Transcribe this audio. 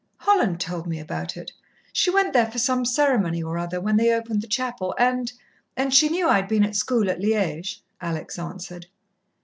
"Holland told me about it. She went there for some ceremony or other when they opened the chapel, and and she knew I'd been at school at Liège," Alex answered.